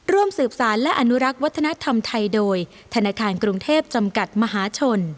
ร่วมสืบสารและอนุรักษ์วัฒนธรรมไทยโดยธนาคารกรุงเทพจำกัดมหาชน